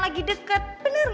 aku pengen bantuin